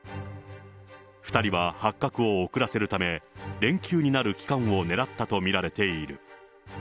２人は発覚を遅らせるため、連休になる期間をねらったと見られている。